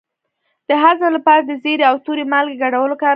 د هضم لپاره د زیرې او تورې مالګې ګډول وکاروئ